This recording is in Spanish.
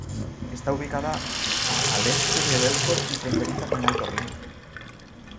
Está ubicada a al este de Belfort y fronteriza con Alto Rin.